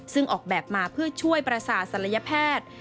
ซึ่งออกแบบมาเพื่อช่วยประสาทศัลยแพทย์